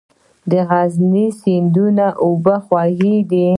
د غزني سیند اوبه خوږې دي